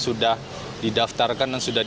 sudah didaftarkan dan sudah